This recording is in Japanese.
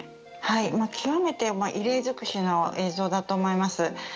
極めて異例尽くしの映像だと思います。